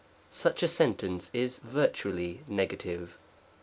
Such a sentence is virtually negative.